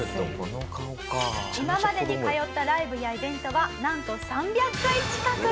「今までに通ったライブやイベントはなんと３００回近く」